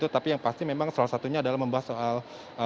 tapi yang pasti memang salah satunya adalah membahas soal